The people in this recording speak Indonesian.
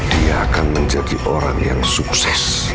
dia akan menjadi orang yang sukses